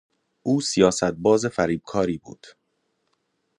او سیاست باز فریبکاری بود.